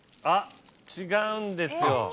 あっ違うんですよ。